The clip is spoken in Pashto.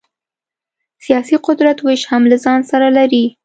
سیاسي قدرت وېش هم له ځان سره لري.